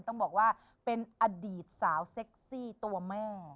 ต้องบอกว่าเป็นอดีตสาวเซ็กซี่ตัวแม่